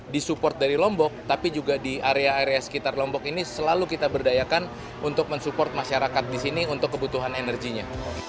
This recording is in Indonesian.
disupport dari lombok tapi juga di area area sekitar lombok ini selalu kita berdayakan untuk mensupport masyarakat di sini untuk kebutuhan energinya